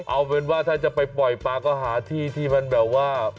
เอาเป็นว่าถ้าจะไปปล่อยปลาก็หาที่ที่มันแบบว่า